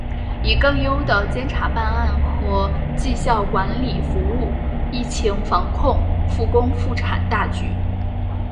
以更优的检察办案和绩效管理服务疫情防控、复工复产大局